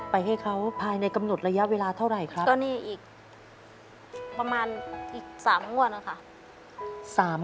ให้เขาภายในกำหนดระยะเวลาเท่าไหร่ครับก็นี่อีกประมาณอีก๓งวดนะคะ